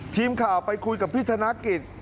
ทีมข่าวไปคุยกับพี่ธนกิจ